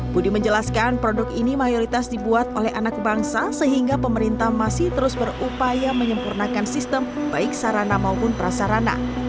budi menjelaskan produk ini mayoritas dibuat oleh anak bangsa sehingga pemerintah masih terus berupaya menyempurnakan sistem baik sarana maupun prasarana